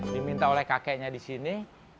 diminta oleh kakeknya di sini